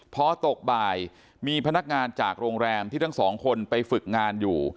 พอตกบ่ายมีพนักงานจากโรงแรมที่ทั้งสองคนไปฝึกงานอยู่